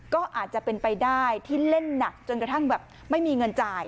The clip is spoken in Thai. ก็อาจจะเป็นไปได้ที่เล่นหนักจนกระทั่งแบบไม่มีเงินจ่าย